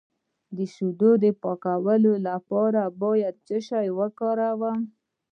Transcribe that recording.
د شیدو د پاکوالي لپاره باید څه شی وکاروم؟